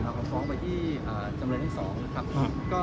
สำหรับครับไปที่อ่าเติมศัลย์ทั้งสองครับอ่ะ